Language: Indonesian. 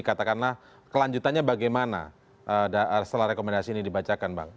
katakanlah kelanjutannya bagaimana setelah rekomendasi ini dibacakan bang